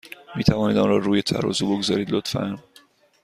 می توانید آن را روی ترازو بگذارید، لطفا؟